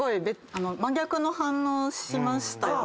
真逆の反応しましたよね